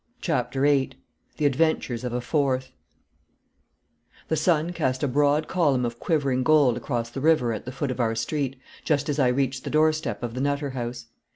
Chapter Eight The Adventures of a Fourth The sun cast a broad column of quivering gold across the river at the foot of our street, just as I reached the doorstep of the Nutter House.